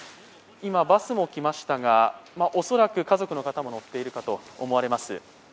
今、バスも来ましたが、恐らく家族の方も乗っているかと思われます。